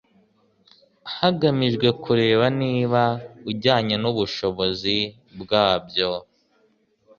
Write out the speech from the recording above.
hagamijwe kureba niba ujyanye n ubushobozi bwabyo